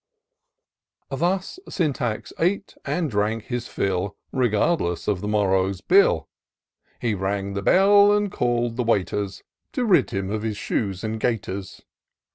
Thus Syntax ate and drank his fill, Regardless of the morrow's bill ; 68 TOUR OF DOCTOR SYNTAX He rang the bell, and call'd the waiters, To rid him of his shoes and gaiters.